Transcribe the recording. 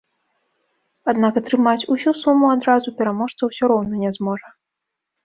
Аднак атрымаць усю суму адразу пераможца ўсё роўна не зможа.